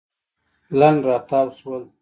لنډ راتاو شول.